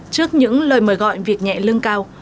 trước những lời mời gọi việc nhẹ lưng cao